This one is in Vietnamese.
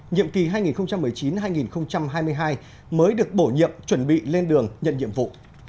nhiệm kỳ hai nghìn một mươi chín hai nghìn hai mươi hai mới được bổ nhiệm chuẩn bị lên đường nhận nhiệm vụ